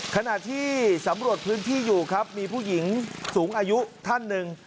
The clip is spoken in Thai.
ขณะที่สำรวจพื้นที่อยู่ครับมีผู้หญิงสูงอายุท่านหนึ่ง